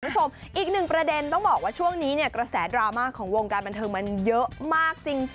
คุณผู้ชมอีกหนึ่งประเด็นต้องบอกว่าช่วงนี้เนี่ยกระแสดราม่าของวงการบันเทิงมันเยอะมากจริง